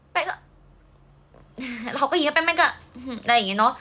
แป้งก็เราก็ยิงแล้วแป้งแป้งก็หื้มอะไรอย่างนี้เนาะ